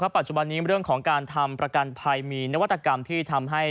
ปัจจุบันนี้เรื่องของการทำประกันภัยมีนวัตกรรมที่ทำให้